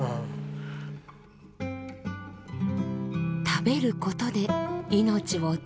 食べることで命をつなぐ。